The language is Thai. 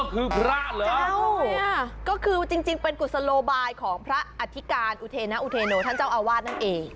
คือพระเลยก็คือจริงเป็นกุศโลบายของพระอธิการอุเทนอุเทโนท่านเจ้าอาวาสนั่นเอง